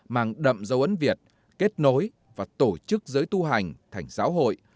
mang đậm dấu ấn việt kết nối và tổ chức giới tu hành thành giáo hội